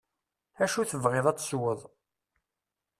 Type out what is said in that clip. Acu tebɣiḍ ad tesweḍ.